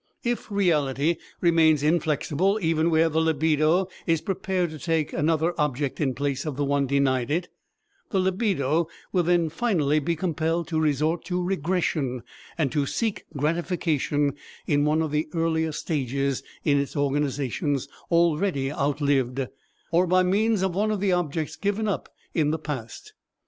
If reality remains inflexible even where the libido is prepared to take another object in place of the one denied it, the libido will then finally be compelled to resort to regression and to seek gratification in one of the earlier stages in its organizations already out lived, or by means of one of the objects given up in the past.